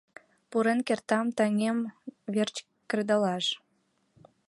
Пурен кертам таҥем верч кредалаш.